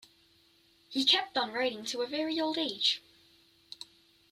He kept on writing to a very old age.